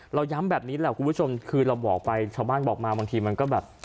เราย้ำแบบนี้แหละคุณผู้ชมคือเราบอกไปชาวบ้านบอกมาบางทีมันก็แบบ